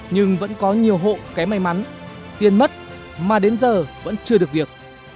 nhưng vẫn có nhiều hộ kém may mắn tiền mất mà đến giờ vẫn chưa được việc